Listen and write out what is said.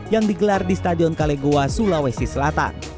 yang digelar di stadion kalegowa sulawesi selatan